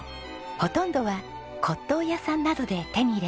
ほとんどは骨董屋さんなどで手に入れました。